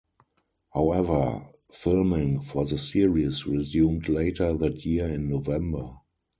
However filming for the series resumed later that year in November.